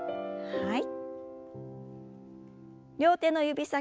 はい。